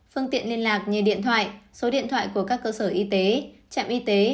phương tiện liên lạc như điện thoại số điện thoại của các cơ sở y tế trạm y tế